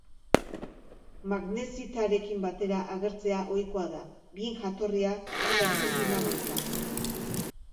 Magnesitarekin batera agertzea ohikoa da, bien jatorria serpentina baita.